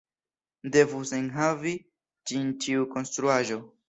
Devus enhavi ĝin ĉiu konstruaĵo.